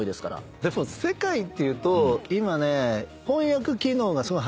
でも世界っていうと今ね。